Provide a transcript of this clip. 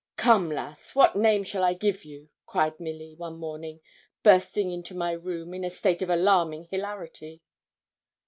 'Come, lass, what name shall I give you?' cried Milly, one morning, bursting into my room in a state of alarming hilarity.